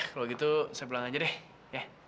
ya udah kalau gitu saya pulang aja deh